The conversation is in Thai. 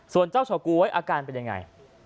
ส่วนเจ้าเฉาก๊วยอาการเป็นยังไง